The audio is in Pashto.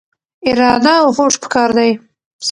اراده او هوډ پکار دی.